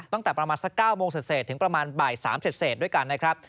ตั้งแต่ประมาณสัก๙โมงเศษถึงประมาณบ่าย๓เสร็จด้วยกันนะครับ